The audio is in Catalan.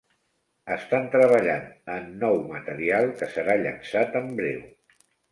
Estan treballant en nou material que serà llançat en breu.